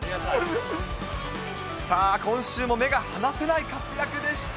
さあ、今週も目が離せない活躍でした。